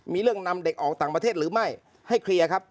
มีเรื่องนำเด็กออกต่างประเทศหรือไม่ให้เคลียร์ครับ